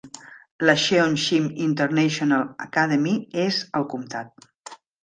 La Cheongshim International Academy és al comtat.